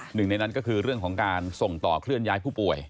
หนึ่งในนั้นก็คือเรื่องของการส่งต่อเคลื่อนย้ายผู้ป่วย